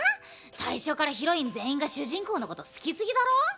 最初からヒロイン全員が主人公のこと好きすぎだろ？